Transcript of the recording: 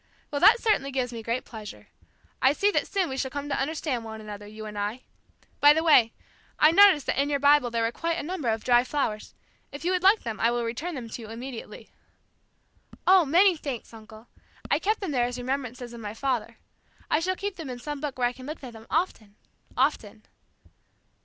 "Well, that certainly gives me great pleasure. I see that soon we shall come to understand one another, you and I. By the way, I noticed that in your Bible there were quite a number of dry flowers. If you would like them, I will return them to you immediately." "Oh, many thanks, uncle. I kept them there as remembrances of my father. I shall keep them in some book where I can look at them often often!"